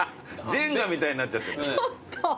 ジェンガみたいになっちゃってる。